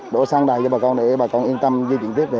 đổ xăng đầy cho bà con để bà con yên tâm di chuyển tiếp